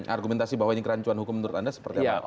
argumentasi bahwa ini kerancuan hukum menurut anda seperti apa